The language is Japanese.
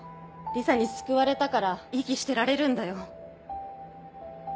リサに救われたから息してられるんだよ。